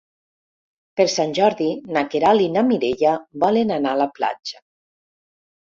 Per Sant Jordi na Queralt i na Mireia volen anar a la platja.